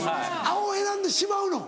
青選んでしまうの？